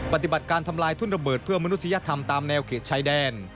ปฏิบัติการทำลายทุ่นระเบิดเพื่อมนุษยธรรมตามแนวเขตชายแดน